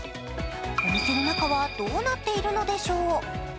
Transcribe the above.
お店の中はどうなっているのでしょう。